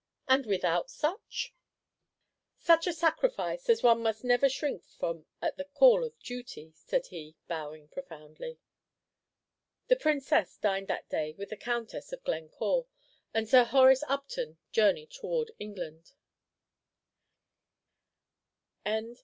"And without such?" "Such a sacrifice as one must never shrink from at the call of duty," said he, bowing profoundly. The Princess dined that day with the Countess of Glencore, and Sir Horace Upton journeyed towards England.